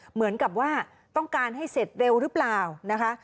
เหมือนกับว่าต้องการให้เสร็จเร็วหรือเปล่านะคะ